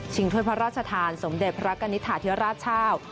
ชิงทวดพระราชธานสมเด็จพระกณิตฐาเทียราชชาว